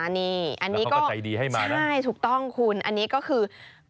อันนี้ก็ใช่ถูกต้องคุณอันนี้ก็คือแล้วก็ใจดีให้มานะ